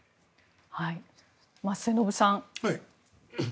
末延さん